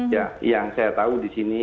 ya yang saya tahu disini